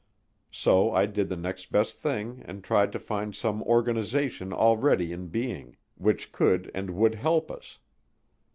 So, I did the next best thing and tried to find some organization already in being which could and would help us.